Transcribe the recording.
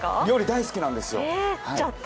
料理大好きなんですよ。